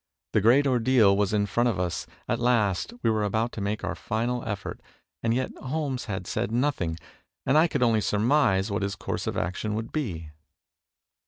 The great ordeal was in front of us; at last we were about to make our final effort, and yet Holmes had said nothing, and I could only surmise what his course of action would be.